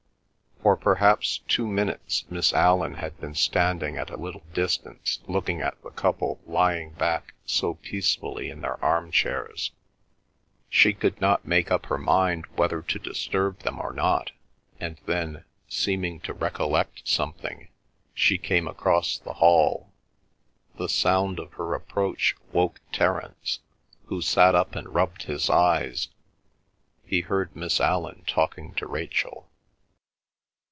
For perhaps two minutes Miss Allan had been standing at a little distance looking at the couple lying back so peacefully in their arm chairs. She could not make up her mind whether to disturb them or not, and then, seeming to recollect something, she came across the hall. The sound of her approach woke Terence, who sat up and rubbed his eyes. He heard Miss Allan talking to Rachel.